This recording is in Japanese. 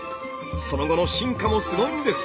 その後の進化もすごいんです。